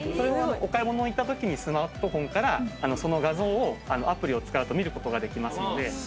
お買い物行ったときにスマートフォンからその画像をアプリを使うと見ることができますので。